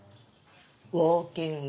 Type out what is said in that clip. ウオーキング。